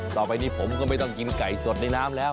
ต่อไปนี้ผมก็ไม่ต้องกินไก่สดในน้ำแล้ว